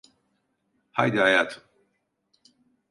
Haydi hayatım.